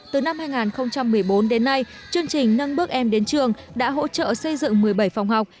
từ năm hai nghìn một mươi bốn đến nay chương trình nâng bước em đến trường đã hỗ trợ xây dựng một mươi bảy phòng học